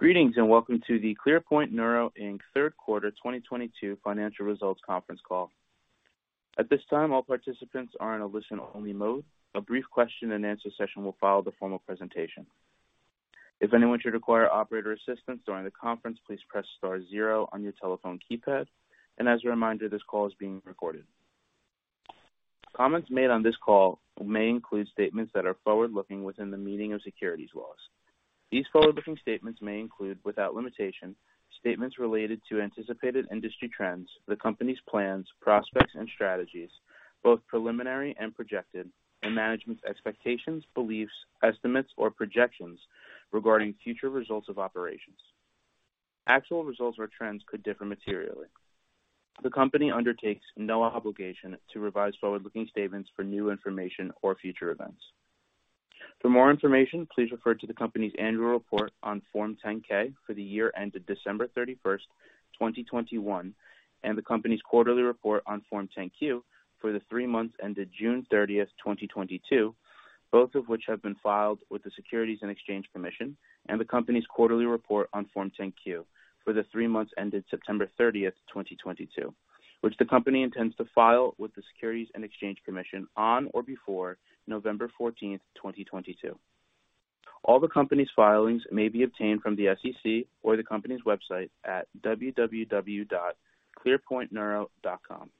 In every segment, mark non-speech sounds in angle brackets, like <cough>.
Greetings, and welcome to the ClearPoint Neuro, Inc. Third Quarter 2022 Financial Results Conference Call. At this time, all participants are in a listen-only mode. A brief question-and-answer session will follow the formal presentation. If anyone should require operator assistance during the conference, please press star zero on your telephone keypad. As a reminder, this call is being recorded. Comments made on this call may include statements that are forward-looking within the meaning of securities laws. These forward-looking statements may include, without limitation, statements related to anticipated industry trends, the company's plans, prospects and strategies, both preliminary and projected, and management's expectations, beliefs, estimates, or projections regarding future results of operations. Actual results or trends could differ materially. The company undertakes no obligation to revise forward-looking statements for new information or future events. For more information, please refer to the company's annual report on Form 10-K for the year ended December 31, 2021, and the company's quarterly report on Form 10-Q for the three months ended June 30, 2022, both of which have been filed with the Securities and Exchange Commission, and the company's quarterly report on Form 10-Q for the three months ended September 30, 2022, which the company intends to file with the Securities and Exchange Commission on or before November 14, 2022. All the company's filings may be obtained from the SEC or the company's website at www.clearpointneuro.com.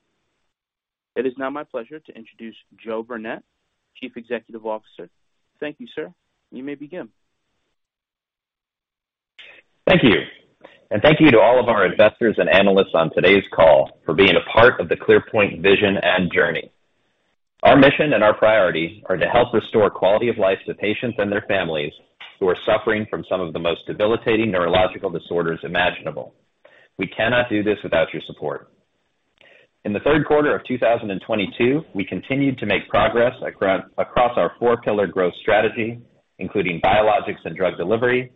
It is now my pleasure to introduce Joe Burnett, Chief Executive Officer. Thank you, sir. You may begin. Thank you. Thank you to all of our investors and analysts on today's call for being a part of the ClearPoint vision and journey. Our mission and our priorities are to help restore quality of life to patients and their families who are suffering from some of the most debilitating neurological disorders imaginable. We cannot do this without your support. In the third quarter of 2022, we continued to make progress across our four-pillar growth strategy, including Biologics and Drug Delivery,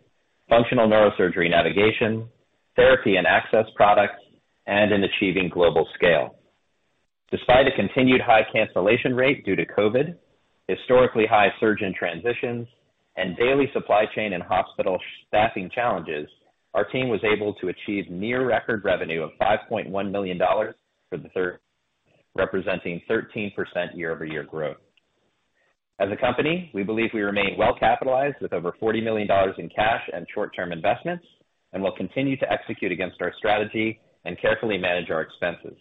Functional Neurosurgery Navigation, therapy and access products, and in achieving global scale. Despite a continued high cancellation rate due to COVID, historically high surgeon transitions, and daily supply chain and hospital staffing challenges, our team was able to achieve near record revenue of $5.1 million for the third, representing 13% year-over-year growth. As a company, we believe we remain well capitalized with over $40 million in cash and short-term investments, and we'll continue to execute against our strategy and carefully manage our expenses.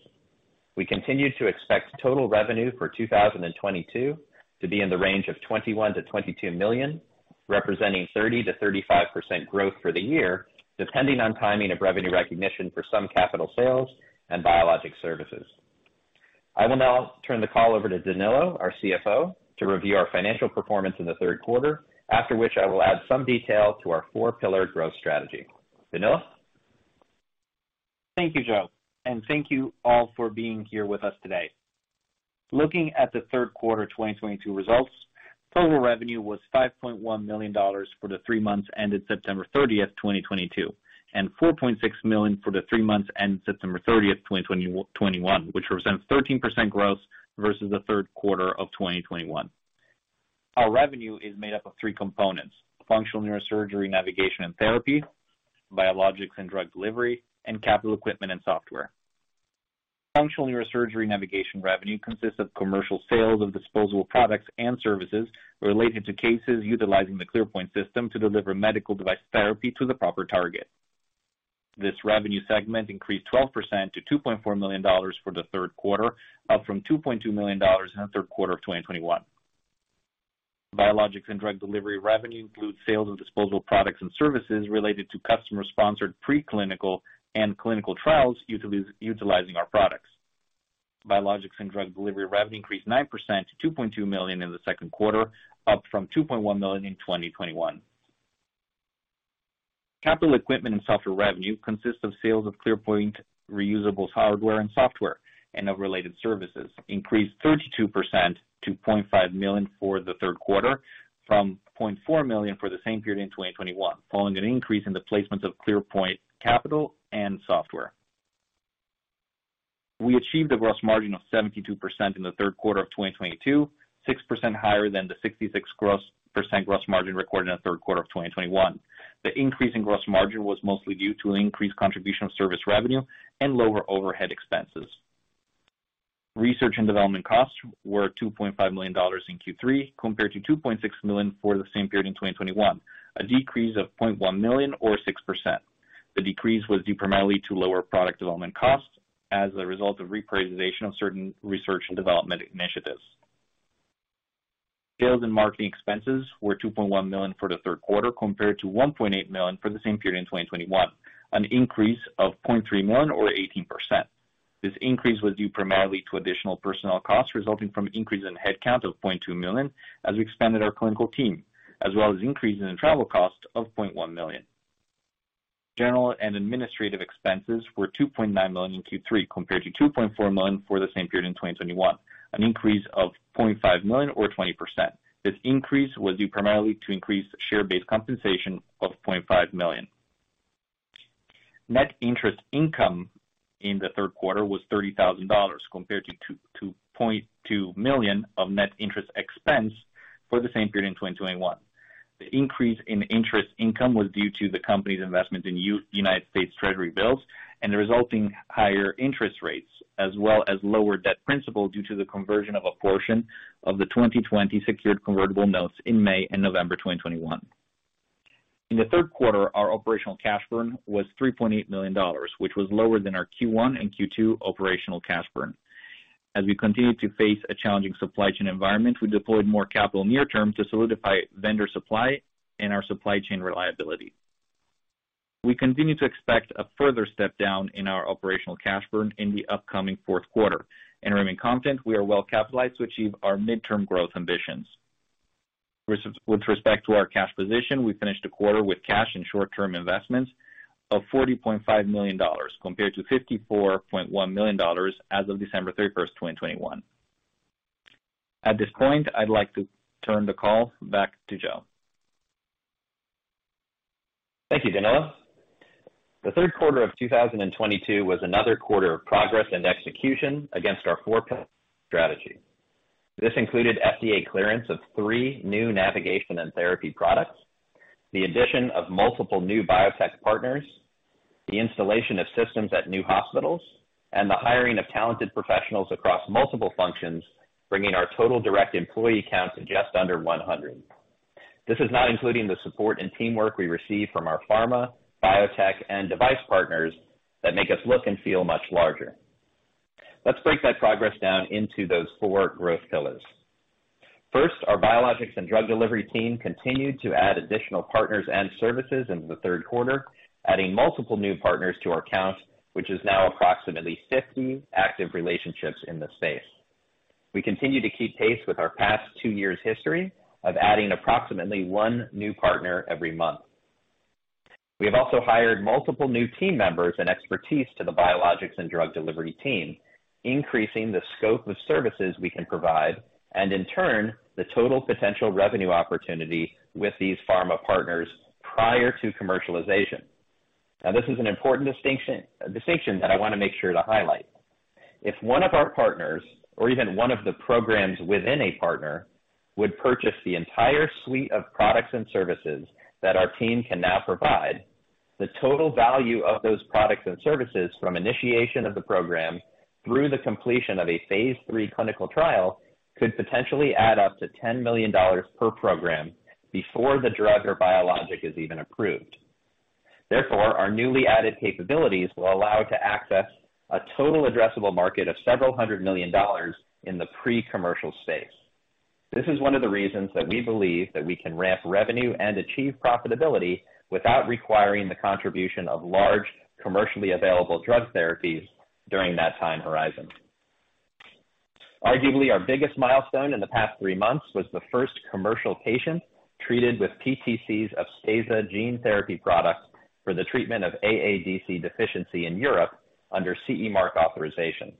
We continue to expect total revenue for 2022 to be in the range of $21 million-$22 million, representing 30%-35% growth for the year, depending on timing of revenue recognition for some capital sales and biologic services. I will now turn the call over to Danilo, our CFO, to review our financial performance in the third quarter, after which I will add some detail to our four-pillar growth strategy. Danilo. Thank you, Joe, and thank you all for being here with us today. Looking at the third quarter 2022 results, total revenue was $5.1 million for the three months ended September 30, 2022, and $4.6 million for the three months ended September 30, 2021, which represents 13% growth versus the third quarter of 2021. Our revenue is made up of three components, Functional Neurosurgery Navigation and therapy, Biologics and Drug Delivery, and capital equipment and software. Functional Neurosurgery Navigation revenue consists of commercial sales of disposable products and services related to cases utilizing the ClearPoint system to deliver medical device therapy to the proper target. This revenue segment increased 12% to $2.4 million for the third quarter, up from $2.2 million in the third quarter of 2021. Biologics and Drug Delivery revenue includes sales of disposable products and services related to customer-sponsored preclinical and clinical trials utilizing our products. Biologics and Drug Delivery revenue increased 9% to $2.2 million in the second quarter, up from $2.1 million in 2021. Capital equipment and software revenue consists of sales of ClearPoint reusable hardware and software and of related services, increased 32% to $0.5 million for the third quarter from $0.4 million for the same period in 2021, following an increase in the placements of ClearPoint capital and software. We achieved a gross margin of 72% in the third quarter of 2022, 6% higher than the 66% gross margin recorded in the third quarter of 2021. The increase in gross margin was mostly due to an increased contribution of service revenue and lower overhead expenses. Research and development costs were $2.5 million in Q3 compared to $2.6 million for the same period in 2021, a decrease of $0.1 million or 6%. The decrease was due primarily to lower product development costs as a result of repricing of certain research and development initiatives. Sales and marketing expenses were $2.1 million for the third quarter compared to $1.8 million for the same period in 2021, an increase of $0.3 million or 18%. This increase was due primarily to additional personnel costs resulting from increase in headcount of $0.2 million as we expanded our clinical team, as well as increase in travel cost of $0.1 million. General and administrative expenses were $2.9 million in Q3 compared to $2.4 million for the same period in 2021, an increase of $0.5 million or 20%. This increase was due primarily to increased share-based compensation of $0.5 million. Net interest income in the third quarter was $30,000 compared to $2.2 million of net interest expense for the same period in 2021. The increase in interest income was due to the company's investment in United States Treasury bills and the resulting higher interest rates, as well as lower debt principal due to the conversion of a portion of the 2020 secured convertible notes in May and November 2021. In the third quarter, our operational cash burn was $3.8 million, which was lower than our Q1 and Q2 operational cash burn. As we continue to face a challenging supply chain environment, we deployed more capital near term to solidify vendor supply and our supply chain reliability. We continue to expect a further step down in our operational cash burn in the upcoming fourth quarter and remain confident we are well capitalized to achieve our midterm growth ambitions. With respect to our cash position, we finished the quarter with cash and short-term investments of $40.5 million compared to $54.1 million as of December 31, 2021. At this point, I'd like to turn the call back to Joe. Thank you, Danilo. The third quarter of 2022 was another quarter of progress and execution against our four-pillar strategy. This included FDA clearance of three new navigation and therapy products, the addition of multiple new biotech partners, the installation of systems at new hospitals, and the hiring of talented professionals across multiple functions, bringing our total direct employee count to just under 100. This is not including the support and teamwork we receive from our pharma, biotech, and device partners that make us look and feel much larger. Let's break that progress down into those four growth pillars. First, our Biologics and Drug Delivery team continued to add additional partners and services into the third quarter, adding multiple new partners to our count, which is now approximately 50 active relationships in the space. We continue to keep pace with our past two years history of adding approximately one new partner every month. We have also hired multiple new team members and expertise to the Biologics and Drug Delivery team, increasing the scope of services we can provide, and in turn, the total potential revenue opportunity with these pharma partners prior to commercialization. Now, this is an important distinction that I want to make sure to highlight. If one of our partners or even one of the programs within a partner would purchase the entire suite of products and services that our team can now provide, the total value of those products and services from initiation of the program through the completion of a phase III clinical trial could potentially add up to $10 million per program before the drug or biologic is even approved. Therefore, our newly added capabilities will allow to access a total addressable market of several hundred million dollars in the pre-commercial space. This is one of the reasons that we believe that we can ramp revenue and achieve profitability without requiring the contribution of large commercially available drug therapies during that time horizon. Arguably, our biggest milestone in the past three months was the first commercial patient treated with PTC's Upstaza gene therapy product for the treatment of AADC deficiency in Europe under CE mark authorization.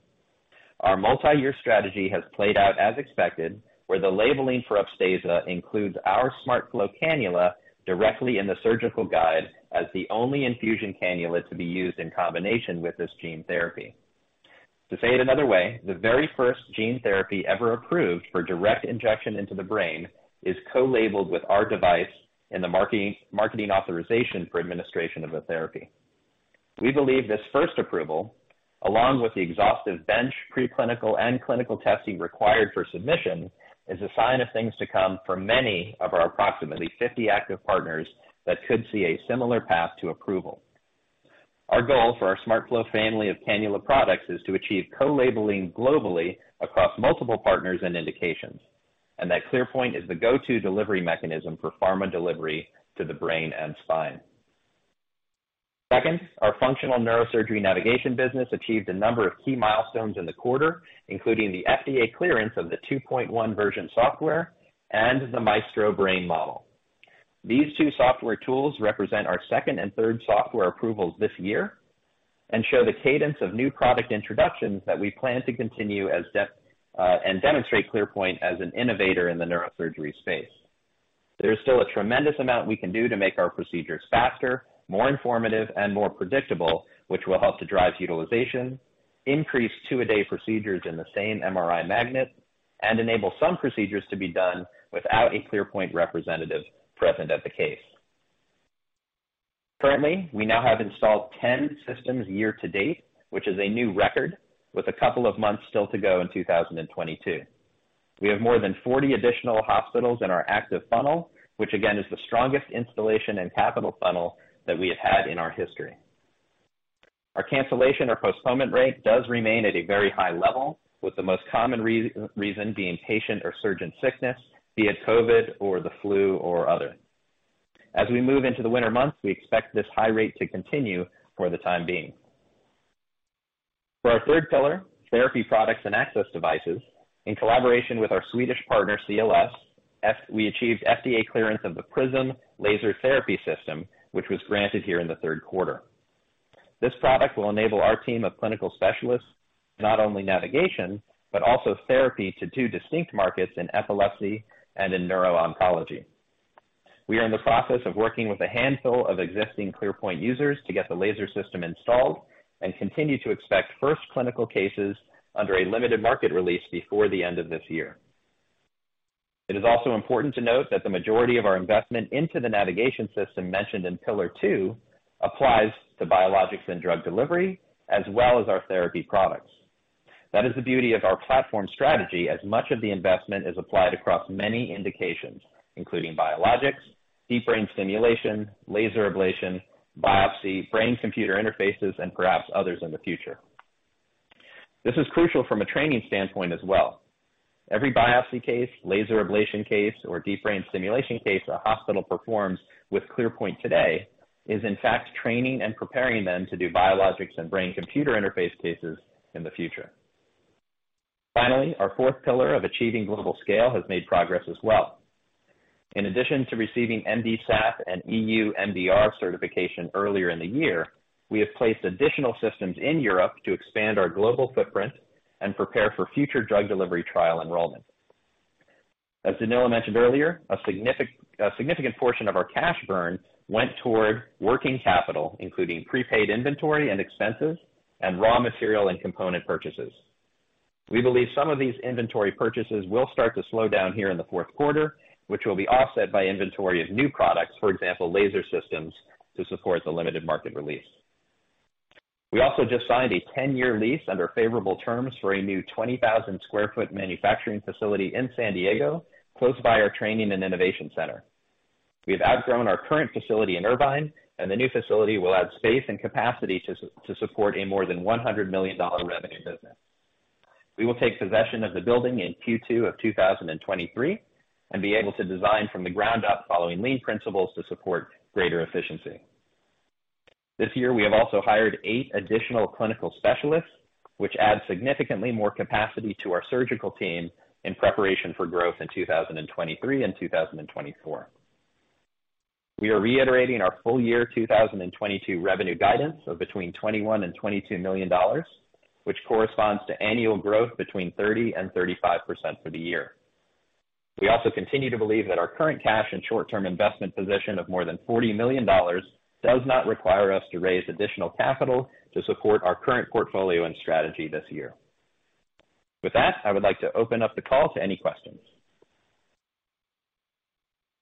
Our multi-year strategy has played out as expected, where the labeling for Upstaza includes our SmartFlow cannula directly in the surgical guide as the only infusion cannula to be used in combination with this gene therapy. To say it another way, the very first gene therapy ever approved for direct injection into the brain is co-labeled with our device in the marketing authorization for administration of the therapy. We believe this first approval, along with the exhaustive bench pre-clinical and clinical testing required for submission, is a sign of things to come for many of our approximately 50 active partners that could see a similar path to approval. Our goal for our SmartFlow family of cannula products is to achieve co-labeling globally across multiple partners and indications, and that ClearPoint is the go-to delivery mechanism for pharma delivery to the brain and spine. Second, our Functional Neurosurgery Navigation business achieved a number of key milestones in the quarter, including the FDA clearance of the 2.1 version software and the Maestro Brain Model. These two software tools represent our second and third software approvals this year and show the cadence of new product introductions that we plan to continue, and demonstrate ClearPoint as an innovator in the neurosurgery space. There is still a tremendous amount we can do to make our procedures faster, more informative, and more predictable, which will help to drive utilization, increase two-a-day procedures in the same MRI magnet, and enable some procedures to be done without a ClearPoint representative present at the case. Currently, we now have installed 10 systems year to date, which is a new record with a couple of months still to go in 2022. We have more than 40 additional hospitals in our active funnel, which again, is the strongest installation and capital funnel that we have had in our history. Our cancellation or postponement rate does remain at a very high level, with the most common reason being patient or surgeon sickness, be it COVID or the flu or other. As we move into the winter months, we expect this high rate to continue for the time being. For our third pillar, therapy products and access devices, in collaboration with our Swedish partner CLS, we achieved FDA clearance of the Prism Laser Therapy system, which was granted here in the third quarter. This product will enable our team of clinical specialists to offer not only navigation, but also therapy to two distinct markets in epilepsy and in neuro-oncology. We are in the process of working with a handful of existing ClearPoint users to get the laser system installed and continue to expect first clinical cases under a limited market release before the end of this year. It is also important to note that the majority of our investment into the navigation system mentioned in pillar two applies to Biologics and Drug Delivery, as well as our therapy products. That is the beauty of our platform strategy as much of the investment is applied across many indications, including biologics, Deep Brain Stimulation, laser ablation, biopsy, Brain-Computer Interfaces, and perhaps others in the future. This is crucial from a training standpoint as well. Every biopsy case, laser ablation case, or Deep Brain Stimulation case a hospital performs with ClearPoint today is in fact training and preparing them to do biologics and Brain-Computer Interface cases in the future. Finally, our fourth pillar of achieving global scale has made progress as well. In addition to receiving MDSAP and EU MDR certification earlier in the year, we have placed additional systems in Europe to expand our global footprint and prepare for future drug delivery trial enrollment. As Danilo mentioned earlier, a significant portion of our cash burn went toward working capital, including prepaid inventory and expenses, and raw material and component purchases. We believe some of these inventory purchases will start to slow down here in the fourth quarter, which will be offset by inventory of new products, for example, laser systems to support the limited market release. We also just signed a 10-year lease under favorable terms for a new 20,000 sq ft manufacturing facility in San Diego, close by our training and innovation center. We have outgrown our current facility in Irvine, and the new facility will add space and capacity to support a more than $100 million revenue business. We will take possession of the building in Q2 of 2023 and be able to design from the ground up following lean principles to support greater efficiency. This year, we have also hired eight additional clinical specialists, which add significantly more capacity to our surgical team in preparation for growth in 2023 and 2024. We are reiterating our full year 2022 revenue guidance of between $21 million and $22 million, which corresponds to annual growth between 30% and 35% for the year. We also continue to believe that our current cash and short-term investment position of more than $40 million does not require us to raise additional capital to support our current portfolio and strategy this year. With that, I would like to open up the call to any questions.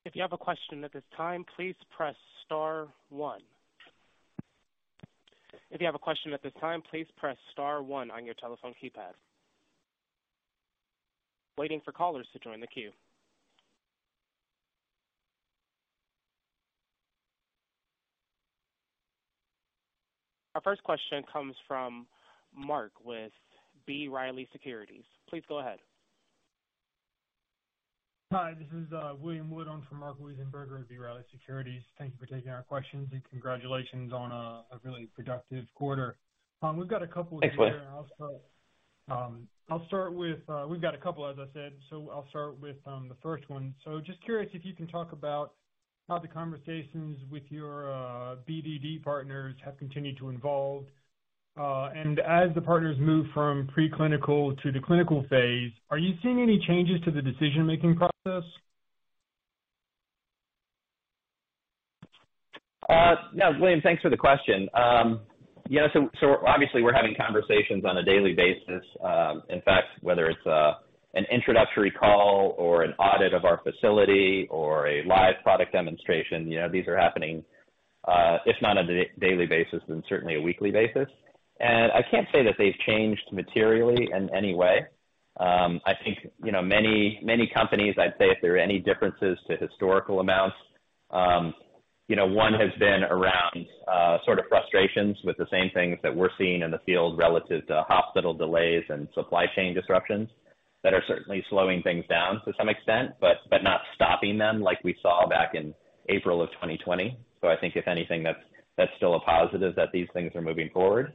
If you have a question at this time, please press star one. If you have a question at this time, please press star one on your telephone keypad. Waiting for callers to join the queue. Our first question comes from Mark with B. Riley Securities. Please go ahead. Hi, this is William Woodham for Mark Weinberger at B. Riley Securities. Thank you for taking our questions, and congratulations on a really productive quarter. We've got a couple here. Thanks Will. I'll start with. We've got a couple, as I said, so I'll start with the first one. Just curious if you can talk about how the conversations with your BDD partners have continued to evolve. As the partners move from pre-clinical to the clinical phase, are you seeing any changes to the decision-making process? No. William, thanks for the question. Yeah, so obviously we're having conversations on a daily basis. In fact, whether it's an introductory call or an audit of our facility or a live product demonstration, you know, these are happening if not on a daily basis, then certainly a weekly basis. I can't say that they've changed materially in any way. I think, you know, many companies, I'd say if there are any differences to historical amounts, you know, one has been around sort of frustrations with the same things that we're seeing in the field relative to hospital delays and supply chain disruptions that are certainly slowing things down to some extent, but not stopping them like we saw back in April of 2020. I think if anything that's still a positive that these things are moving forward.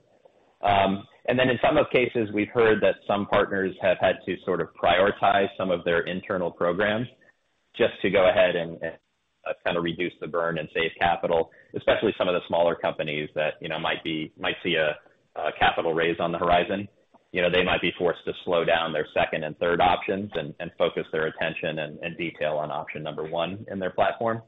In some cases, we've heard that some partners have had to sort of prioritize some of their internal programs just to go ahead and kind of reduce the burn and save capital, especially some of the smaller companies that, you know, might see a capital raise on the horizon. You know, they might be forced to slow down their second and third options and focus their attention and detail on option number one in their platform.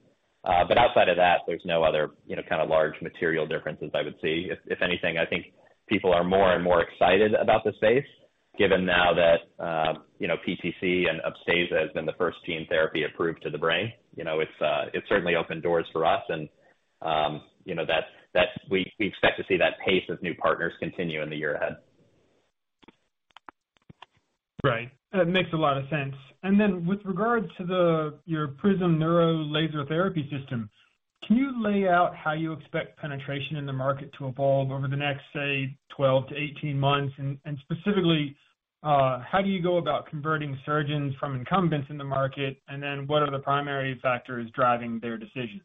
Outside of that, there's no other, you know, kind of large material differences I would see. If anything, I think people are more and more excited about the space given now that, you know, PTC and Upstaza has been the first gene therapy approved to the brain. You know, it's certainly opened doors for us and, you know, that's we expect to see that pace as new partners continue in the year ahead. Right. That makes a lot of sense. Then with regard to your Prism Neuro Laser Therapy System, can you lay out how you expect penetration in the market to evolve over the next, say, 12-18 months? Specifically, how do you go about converting surgeons from incumbents in the market? What are the primary factors driving their decisions?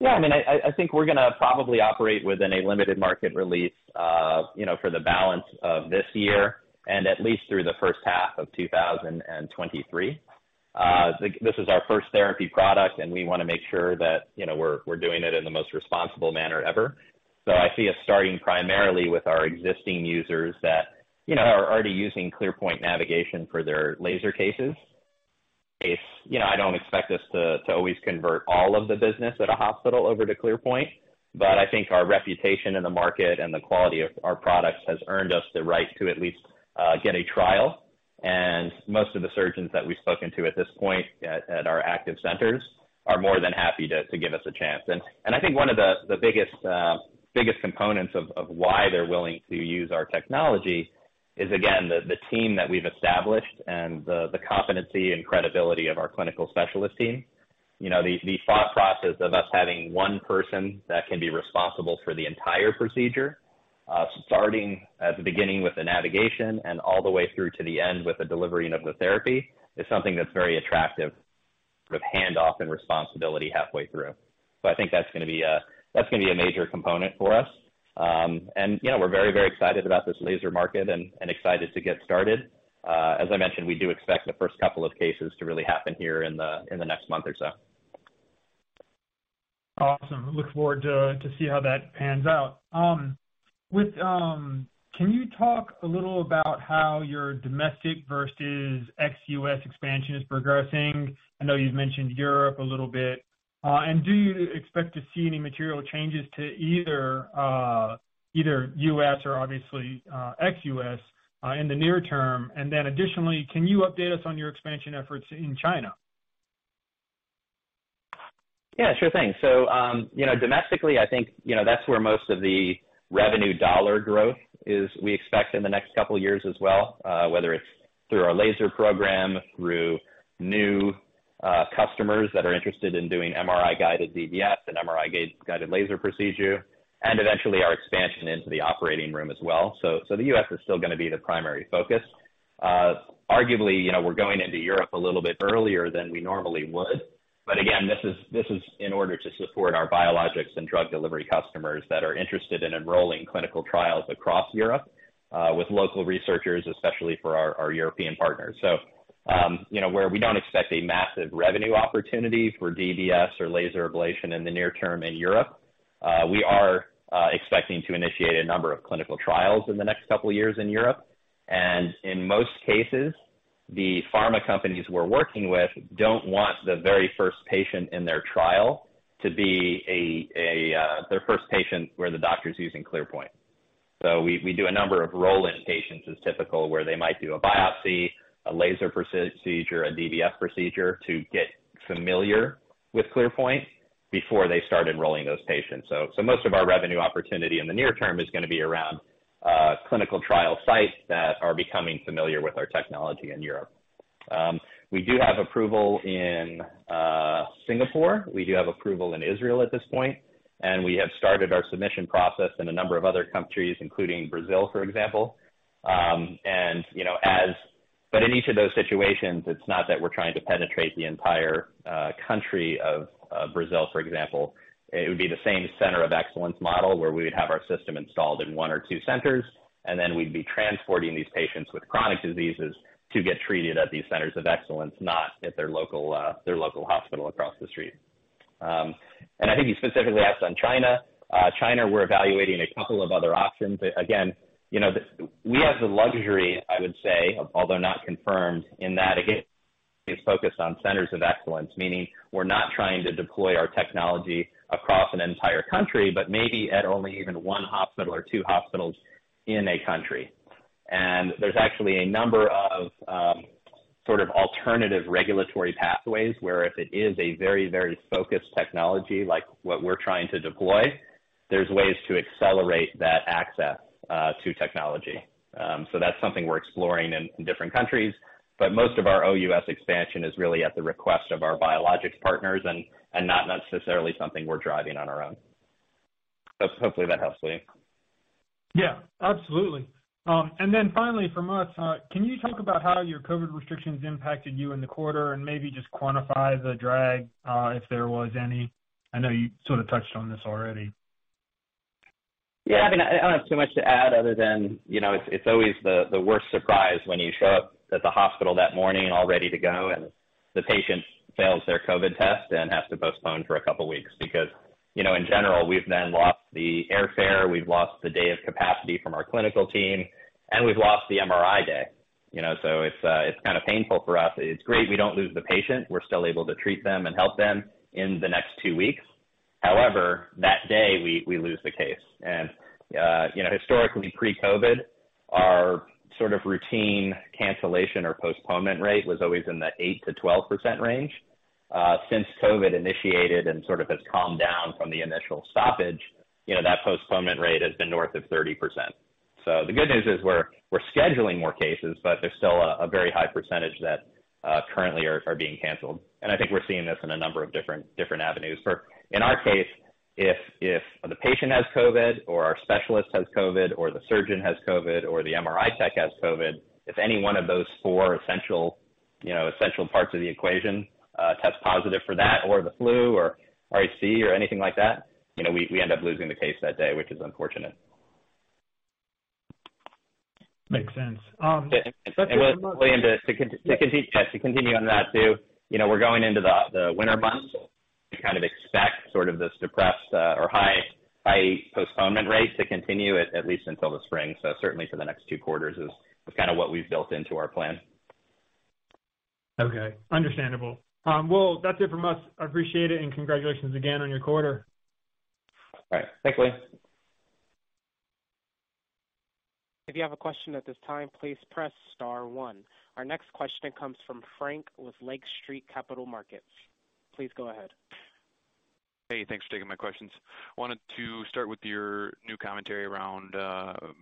Yeah, I mean, I think we're gonna probably operate within a limited market release, you know, for the balance of this year and at least through the first half of 2023. This is our first therapy product, and we wanna make sure that, you know, we're doing it in the most responsible manner ever. I see us starting primarily with our existing users that, you know, are already using ClearPoint navigation for their laser cases. It's. You know, I don't expect us to always convert all of the business at a hospital over to ClearPoint, but I think our reputation in the market and the quality of our products has earned us the right to at least get a trial. Most of the surgeons that we've spoken to at this point at our active centers are more than happy to give us a chance. I think one of the biggest components of why they're willing to use our technology is, again, the team that we've established and the competency and credibility of our clinical specialist team. You know, the thought process of us having one person that can be responsible for the entire procedure, starting at the beginning with the navigation and all the way through to the end with the delivery of the therapy is something that's very attractive with handoff and responsibility halfway through. I think that's gonna be a major component for us. You know, we're very, very excited about this laser market and excited to get started. As I mentioned, we do expect the first couple of cases to really happen here in the next month or so. Awesome. Look forward to see how that pans out. Can you talk a little about how your domestic versus ex-U.S. expansion is progressing? I know you've mentioned Europe a little bit. Do you expect to see any material changes to either U.S. or obviously ex-U.S. in the near term? Then additionally, can you update us on your expansion efforts in China? Yeah, sure thing. You know, domestically, I think, you know, that's where most of the revenue dollar growth is we expect in the next couple of years as well, whether it's through our laser program, through new customers that are interested in doing MRI-guided DBS and MRI-guided laser procedure, and eventually our expansion into the operating room as well. The U.S. is still gonna be the primary focus. Arguably, you know, we're going into Europe a little bit earlier than we normally would. But again, this is in order to support our Biologics and Drug Delivery customers that are interested in enrolling clinical trials across Europe, with local researchers, especially for our European partners. You know, where we don't expect a massive revenue opportunity for DBS or laser ablation in the near term in Europe, we are expecting to initiate a number of clinical trials in the next couple of years in Europe. In most cases, the pharma companies we're working with don't want the very first patient in their trial to be their first patient where the doctor's using ClearPoint. We do a number of roll-in patients, is typical, where they might do a biopsy, a laser procedure, a DBS procedure to get familiar with ClearPoint before they start enrolling those patients. Most of our revenue opportunity in the near term is gonna be around clinical trial sites that are becoming familiar with our technology in Europe. We do have approval in Singapore. We do have approval in Israel at this point and we have started our submission process in a number of other countries, including Brazil, for example. In each of those situations, it's not that we're trying to penetrate the entire country of Brazil, for example. It would be the same center of excellence model where we would have our system installed in one or two centers, and then we'd be transporting these patients with chronic diseases to get treated at these centers of excellence, not at their local hospital across the street. I think you specifically asked on China. China, we're evaluating a couple of other options. You know, the We have the luxury, I would say, although not confirmed, in that, again, it's focused on centers of excellence, meaning we're not trying to deploy our technology across an entire country, but maybe at only even one hospital or two hospitals in a country. There's actually a number of sort of alternative regulatory pathways where if it is a very, very focused technology like what we're trying to deploy, there's ways to accelerate that access to technology. That's something we're exploring in different countries. Most of our OUS expansion is really at the request of our biologics partners and not necessarily something we're driving on our own. Hopefully that helps, Will. Yeah, absolutely. Finally from us, can you talk about how your COVID restrictions impacted you in the quarter and maybe just quantify the drag, if there was any? I know you sort of touched on this already. Yeah. I mean, I don't have too much to add other than, you know, it's always the worst surprise when you show up at the hospital that morning all ready to go, and the patient fails their COVID test and has to postpone for a couple of weeks. Because, you know, in general, we've then lost the airfare, we've lost the day of capacity from our clinical team, and we've lost the MRI day. You know, so it's kind of painful for us. It's great we don't lose the patient. We're still able to treat them and help them in the next two weeks. However, that day we lose the case. You know, historically pre-COVID, our sort of routine cancellation or postponement rate was always in the 8%-12% range. Since COVID initiated and sort of has calmed down from the initial stoppage, you know, that postponement rate has been north of 30%. The good news is we're scheduling more cases, but there's still a very high percentage that currently are being canceled. I think we're seeing this in a number of different avenues. In our case, if the patient has COVID or our specialist has COVID or the surgeon has COVID or the MRI tech has COVID, if any one of those four essential parts of the equation tests positive for that or the flu or IC or anything like that, you know, we end up losing the case that day, which is unfortunate. Makes sense. <crosstalk> William, to continue To continue on that too. You know, we're going into the winter months. We kind of expect sort of this depressed or high postponement rate to continue at least until the spring. Certainly for the next two quarters is kinda what we've built into our plan. Okay. Understandable. Well, that's it from us. I appreciate it, and congratulations again on your quarter. All right. Thanks, Will. If you have a question at this time, please press star one. Our next question comes from Frank with Lake Street Capital Markets. Please go ahead. Hey, thanks for taking my questions. Wanted to start with your new commentary around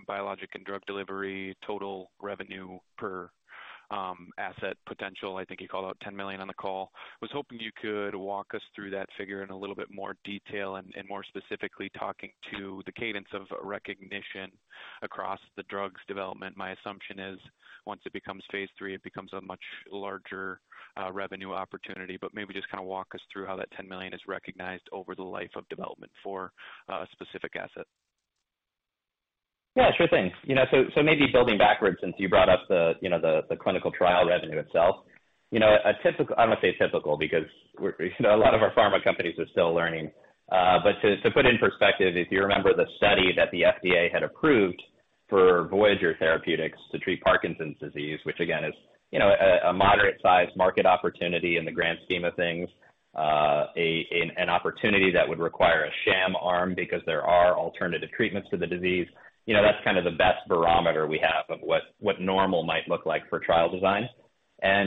Biologics and Drug Delivery, total revenue per asset potential. I think you called out $10 million on the call. Was hoping you could walk us through that figure in a little bit more detail and more specifically talking to the cadence of recognition across the drug development. My assumption is, once it becomes phase III, it becomes a much larger revenue opportunity. Maybe just kinda walk us through how that $10 million is recognized over the life of development for a specific asset. Yeah, sure thing. You know, maybe building backwards since you brought up the, you know, the clinical trial revenue itself. You know, a typical, I won't say typical because we're you know, a lot of our pharma companies are still learning. To put in perspective, if you remember the study that the FDA had approved for Voyager Therapeutics to treat Parkinson's disease, which again is, you know, a moderate size market opportunity in the grand scheme of things, an opportunity that would require a sham arm because there are alternative treatments to the disease. You know, that's kind of the best barometer we have of what normal might look like for trial design.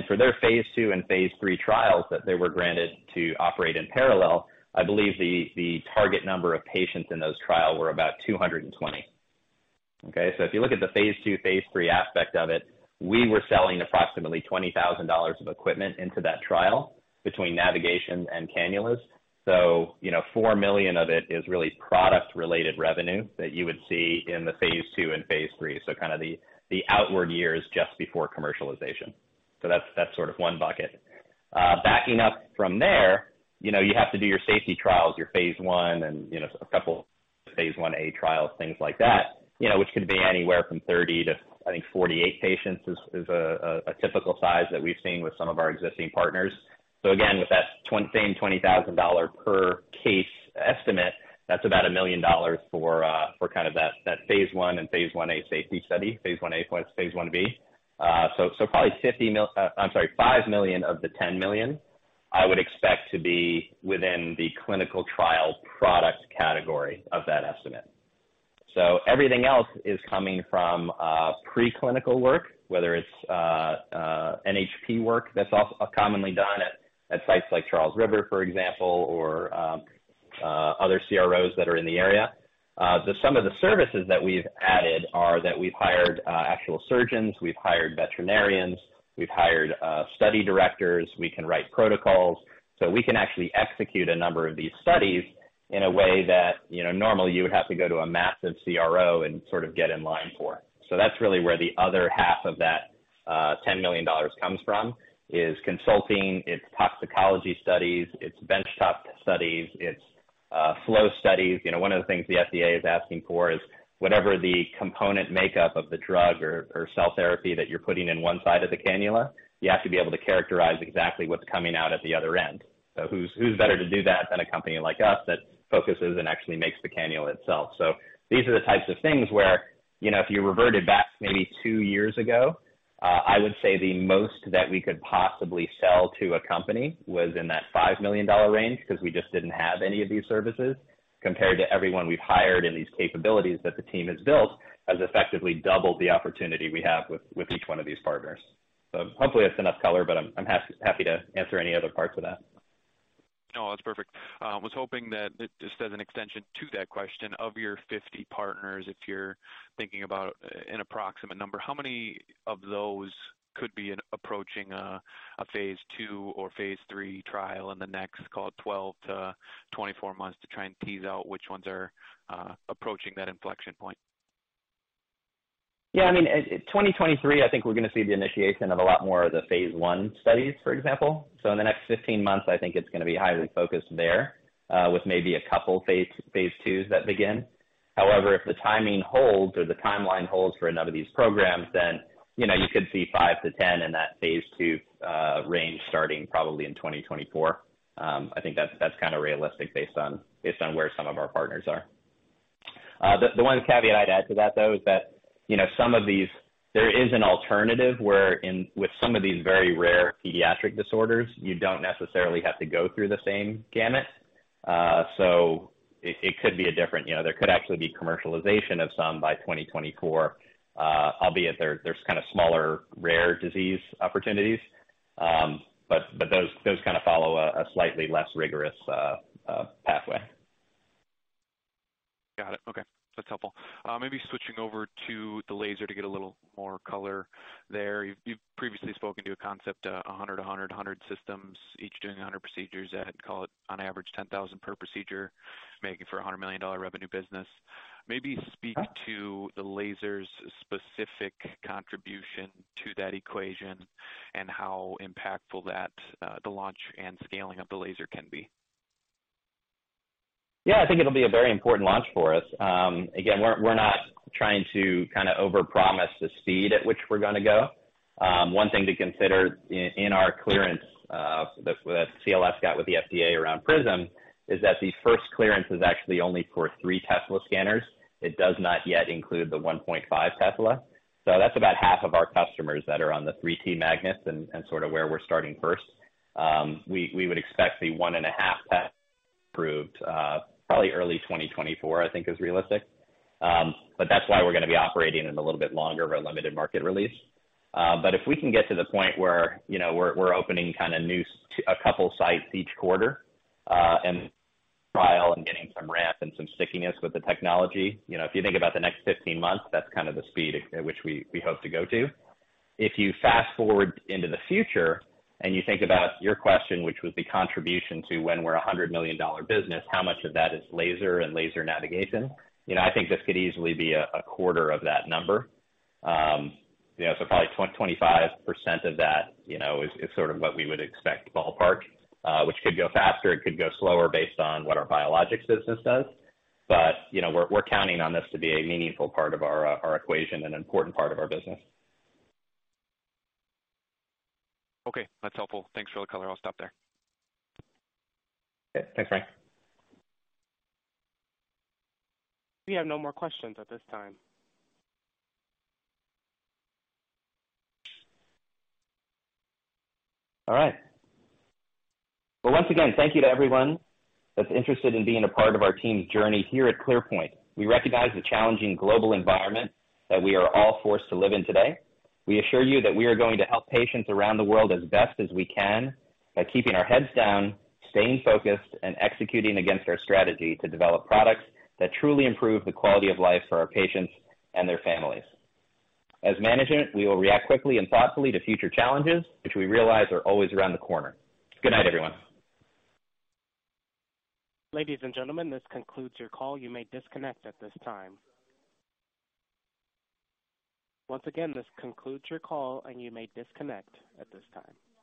For their phase II and phase III trials that they were granted to operate in parallel, I believe the target number of patients in those trials were about 220. Okay? So if you look at the phase II, phase III aspect of it, we were selling approximately $20,000 of equipment into that trial between navigation and cannulas. So, you know, $4 million of it is really product related revenue that you would see in the phase II and phase III. So kind of the out years just before commercialization. So that's sort of one bucket. Backing up from there, you know, you have to do your safety trials, your phase I and, you know, a couple phase I-A trials, things like that, you know, which could be anywhere from 30 to, I think, 48 patients is a typical size that we've seen with some of our existing partners. So again, with that same $20,000 per case estimate, that's about $1 million for kind of that phase I and phase I-A safety study, phase I-A plus phase I-B. So probably $5 million of the $10 million, I would expect to be within the clinical trial product category of that estimate. Everything else is coming from pre-clinical work, whether it's NHP work that's commonly done at sites like Charles River, for example, or other CROs that are in the area. The sum of the services that we've added are that we've hired actual surgeons, we've hired veterinarians, we've hired study directors. We can write protocols. We can actually execute a number of these studies in a way that, you know, normally you would have to go to a massive CRO and sort of get in line for. That's really where the other half of that $10 million comes from, is consulting, it's toxicology studies, it's benchtop studies, it's flow studies. You know, one of the things the FDA is asking for is whatever the component makeup of the drug or cell therapy that you're putting in one side of the cannula. You have to be able to characterize exactly what's coming out at the other end. Who's better to do that than a company like us that focuses and actually makes the cannula itself. These are the types of things where, you know, if you reverted back maybe two years ago, I would say the most that we could possibly sell to a company was in that $5 million range because we just didn't have any of these services, compared to everyone we've hired and these capabilities that the team has built, has effectively doubled the opportunity we have with each one of these partners. Hopefully that's enough color, but I'm happy to answer any other parts of that. No, that's perfect. Was hoping that, just as an extension to that question, of your 50 partners, if you're thinking about an approximate number, how many of those could be approaching a phase II or phase III trial in the next, call it, 12-24 months to try and tease out which ones are approaching that inflection point? Yeah, I mean, 2023, I think we're gonna see the initiation of a lot more of the phase I studies, for example. In the next 15 months, I think it's gonna be highly focused there, with maybe a couple phase IIs that begin. However, if the timing holds or the timeline holds for a number of these programs, then, you know, you could see five to 10 in that phase II range starting probably in 2024. I think that's kinda realistic based on where some of our partners are. The one caveat I'd add to that, though, is that, you know, some of these, there is an alternative where, with some of these very rare pediatric disorders, you don't necessarily have to go through the same gamut. It could be a different, you know, there could actually be commercialization of some by 2024, albeit they're kind of smaller, rare disease opportunities. Those kinda follow a slightly less rigorous pathway. Got it. Okay. That's helpful. Maybe switching over to the laser to get a little more color there. You've previously spoken to a concept, 100 systems, each doing 100 procedures at, call it, on average, $10,000 per procedure, making for a $100 million revenue business. Maybe speak to the laser's specific contribution to that equation and how impactful that, the launch and scaling of the laser can be. Yeah, I think it'll be a very important launch for us. Again, we're not trying to kind of overpromise the speed at which we're gonna go. One thing to consider in our clearance that CLS got with the FDA around Prism is that the first clearance is actually only for three Tesla scanners. It does not yet include the 1.5 Tesla. That's about 1 of our customers that are on the 3T magnets and sort of where we're starting first. We would expect the 1.5 Tesla approved probably early 2024, I think is realistic. But that's why we're gonna be operating in a little bit longer of our limited market release. If we can get to the point where, you know, we're opening a couple sites each quarter, and trialing and getting some ramp and some stickiness with the technology, you know, if you think about the next 15 months, that's kind of the speed at which we hope to go to. If you fast-forward into the future and you think about your question, which was the contribution to when we're a $100 million business, how much of that is laser and laser navigation? You know, I think this could easily be a quarter of that number. You know, so probably 25% of that, you know, is sort of what we would expect ballpark, which could go faster, it could go slower based on what our biologics business does. You know, we're counting on this to be a meaningful part of our equation and important part of our business. Okay. That's helpful. Thanks for the color. I'll stop there. Okay. Thanks, Frank. We have no more questions at this time. All right. Well, once again, thank you to everyone that's interested in being a part of our team's journey here at ClearPoint. We recognize the challenging global environment that we are all forced to live in today. We assure you that we are going to help patients around the world as best as we can by keeping our heads down, staying focused, and executing against our strategy to develop products that truly improve the quality of life for our patients and their families. As management, we will react quickly and thoughtfully to future challenges, which we realize are always around the corner. Good night, everyone. Ladies and gentlemen, this concludes your call. You may disconnect at this time. Once again, this concludes your call, and you may disconnect at this time.